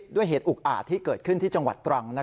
ด้วยเหตุอุกอาจที่เกิดขึ้นที่จังหวัดตรัง